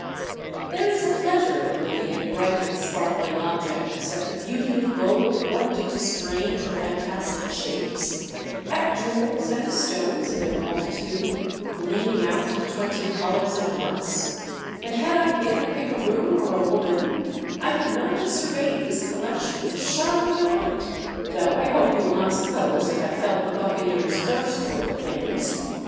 There is a pleasure in looking at bright and sparkling objects, at the beauty of gold worked into strange or fantastic shapes, at jewels and stones in their multitude, gleam ing out in twenty colours at once. And VANDERDECKEN EXHIBITS SOME TREASURE. 1S5 had I been a picaroon or a woman, I could not have surveyed this collection with sharper delight, though I hope you will not suppose that I felt the buccaneer's thirst for the things.